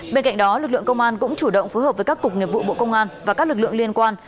bên cạnh đó lực lượng công an cũng chủ động phối hợp với các cục nghiệp vụ bộ công an và các lực lượng liên quan